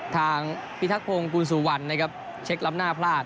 ทางพิทักพงศ์กุลสุวรรณนะครับเช็คล้ำหน้าพลาด